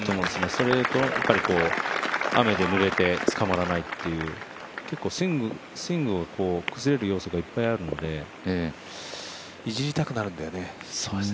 それと雨で濡れて捕まらないという、スイングの崩れる要素がいっぱいあるのでいじりたくなるんだよね。